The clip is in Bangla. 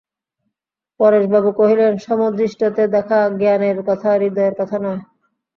পরেশবাবু কহিলেন, সমদৃষ্টতে দেখা জ্ঞানের কথা, হৃদয়ের কথা নয়।